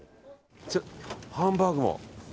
ハンバーグも。